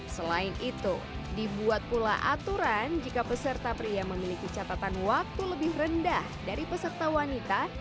selain itu dibuat pula aturan jika peserta pria memiliki catatan waktu lebih rendah dari peserta wanita